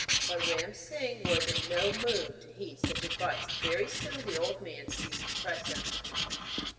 But Ram Singh was in no mood to heed such advice, and very soon the old man ceased to press him.